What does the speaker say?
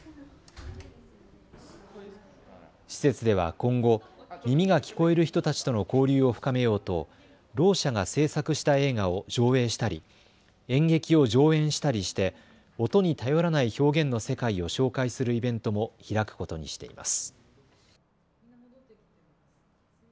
施設では今後、耳が聞こえる人たちとの交流を深めようとろう者が制作した映画を上映したり演劇を上演したりして音に頼らない表現の世界を紹介するイベントも開くことにしています。